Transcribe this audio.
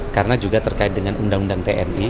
karena juga terkait dengan undang undang tni